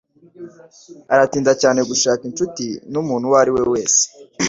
Aratinda cyane gushaka inshuti numuntu uwo ari we wese.